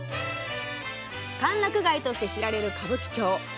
歓楽街として知られる歌舞伎町。